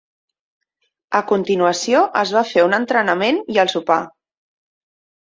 A continuació es va fer un entrenament i el sopar.